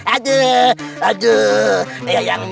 aduh aduh diayangnya